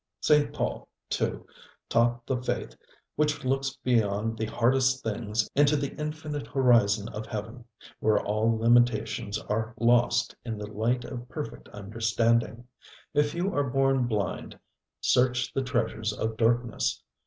St. Paul, too, taught the faith which looks beyond the hardest things into the infinite horizon of heaven, where all limitations are lost in the light of perfect understanding. If you are born blind, search the treasures of darkness.